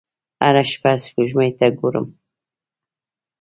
هره شپه سپوږمۍ ته ګورم